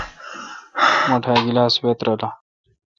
مٹھ ا گلاس وہ ترلہ۔